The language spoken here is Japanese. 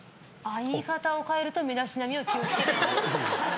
言い方を変えると身だしなみを気を付けてる。